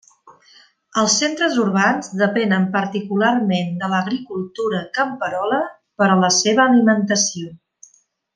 Els centres urbans depenen particularment de l'agricultura camperola per a la seva alimentació.